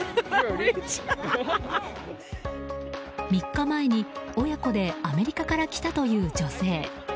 ３日前に親子でアメリカから来たという女性。